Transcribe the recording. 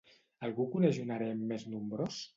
Algú coneix un harem més nombrós?